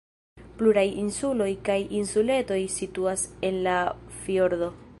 Pluraj insuloj kaj insuletoj situas en la fjordo.